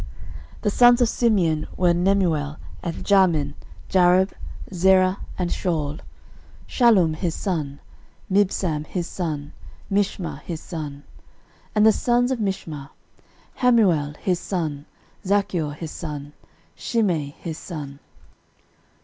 13:004:024 The sons of Simeon were, Nemuel, and Jamin, Jarib, Zerah, and Shaul: 13:004:025 Shallum his son, Mibsam his son, Mishma his son. 13:004:026 And the sons of Mishma; Hamuel his son, Zacchur his son, Shimei his son.